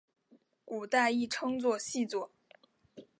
古代亦称作细作。